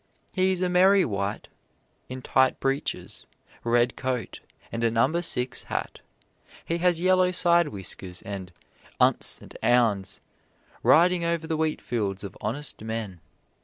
He is a merry wight in tight breeches, red coat, and a number six hat. He has yellow side whiskers and 'unts to 'ounds, riding over the wheatfields of honest men.